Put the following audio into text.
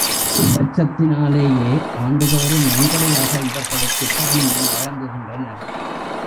இவ்வச்சத்தினாலேயே ஆண்டுதோறும் நன்கொடையாக இவர்களுக்குத் தானியம் வழங்குகின்றனர்.